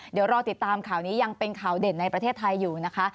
เดี๋ยวรอติดตามข่าวนี้ยังเป็นข่าวเด่นในประเทศไทยอยู่นะคะ